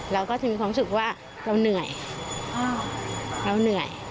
เราก็จะมีความรู้สึกว่าเราเหนื่อยเราเหนื่อย